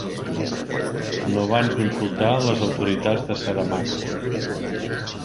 No van consultar les autoritats de Saramaka.